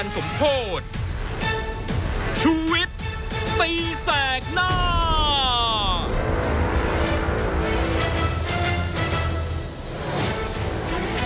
สวัสดีค่ะคุณผู้ชมชูเวทตีแสงหน้าค่ะ